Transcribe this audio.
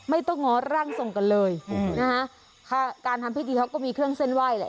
ต้องง้อร่างทรงกันเลยนะฮะการทำพิธีเขาก็มีเครื่องเส้นไหว้แหละ